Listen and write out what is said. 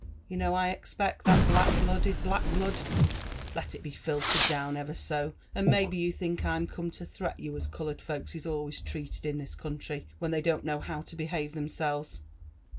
You know, I expect, that black blood is Uaek blood, let it be filtered down ever so ; and maybe you think I'm come to trqat you as coloured folks is always treated in this country When they don't know how to behave themselves?